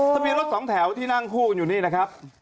ทะเบียนรถสองแถวที่นั่งคู่กันอยู่นี่นะครับ